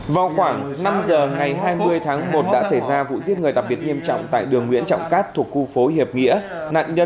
vào khoảng năm giờ ngày hai mươi tháng một đã xảy ra vụ giết người đặc biệt nghiêm trọng tại đường nguyễn trọng cát thuộc khu phố hiệp nghĩa nạn nhân